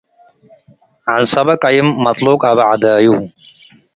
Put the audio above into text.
ዐንሰበ ቀይም - መትሉቅ አበ ዐዳዩ